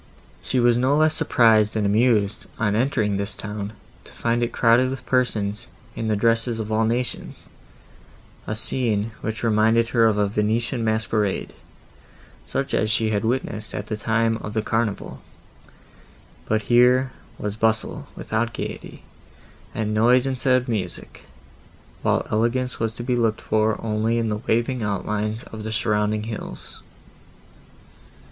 She was no less surprised and amused, on entering this town, to find it crowded with persons in the dresses of all nations; a scene, which reminded her of a Venetian masquerade, such as she had witnessed at the time of the Carnival; but here was bustle without gaiety, and noise instead of music, while elegance was to be looked for only in the waving outlines of the surrounding hills.